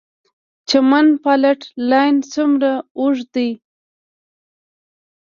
چمن فالټ لاین څومره اوږد دی؟